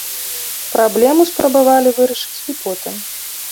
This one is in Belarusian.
Праблему спрабавалі вырашыць і потым.